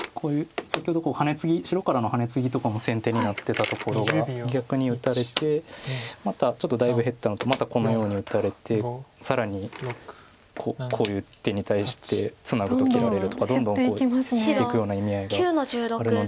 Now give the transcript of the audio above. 先ほど白からのハネツギとかも先手になってたところが逆に打たれてまたちょっとだいぶ減ったのとまたこのように打たれて更にこういう手に対してツナぐと切られるとかどんどん減っていくような意味合いがあるので。